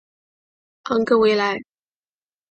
昂格维莱。